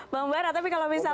bang mbak rata kalau misalnya